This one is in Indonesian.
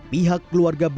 pihak keluarga baradae